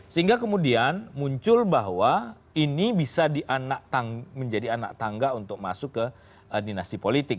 sehingga kemudian muncul bahwa ini bisa menjadi anak tangga untuk masuk ke dinasti politik